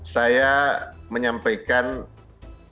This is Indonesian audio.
saya menyampaikan kesempatan saya untuk anda